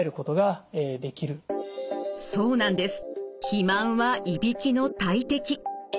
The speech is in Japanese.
肥満はいびきの大敵！